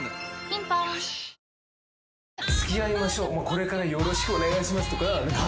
これからよろしくお願いしますとか。